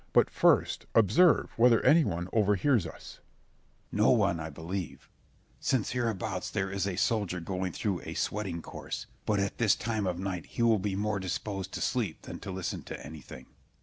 But first observe whether any one overhears us. Scip. No one, I believe; since hereabouts there is a soldier going through a sweating course; but at this time of night he will be more disposed to sleep than to listen to anything. Berg.